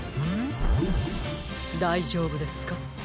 だいじょうぶですか？